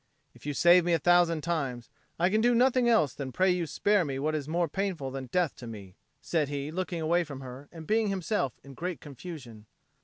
"If you save me a thousand times, I can do nothing else than pray you spare me what is more painful than death to me," said he, looking away from her and being himself in great confusion.